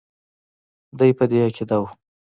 دی په دې عقیده وو.